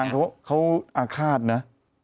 แต่งูทุกอังเขาอาฆาตนะ